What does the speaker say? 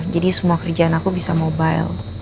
jadi semua kerjaan aku bisa mobile